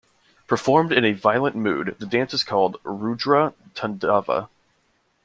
Performed in a violent mood, the dance is called "Rudra Tandava".